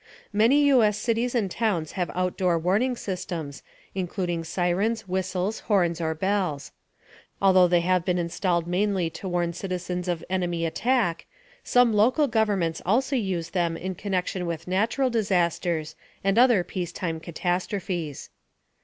Many U.S. cities and towns have outdoor warning systems, using sirens, whistles, horns or bells. Although they have been installed mainly to warn citizens of enemy attack, some local governments also use them in connection with natural disasters and other peacetime catastrophes.